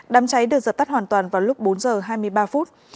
đám cháy được dập tắt hoàn toàn vào lúc bốn giờ hai mươi ba phút